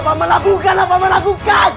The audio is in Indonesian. pak man lakukanlah pak man lakukan